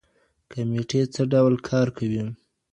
کميټي څه ډول کار کوي؟